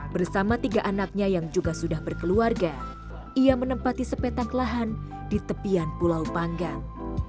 bersama tiga anaknya yang juga sudah berkeluarga ia menempati sepetak lahan di tepian pulau panggang